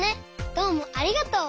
どうもありがとう。